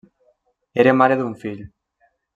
Era mare d’un fill.